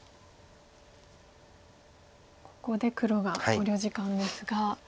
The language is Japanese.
ここで黒が考慮時間ですが。